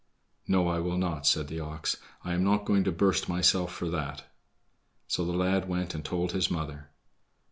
"No, I will not," said the ox; "I am not going to burst myself for that." So the lad went and told his mother.